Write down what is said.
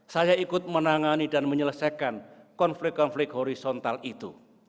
saya ikut menangani dan menyelesaikan konflik konflik horizontal itu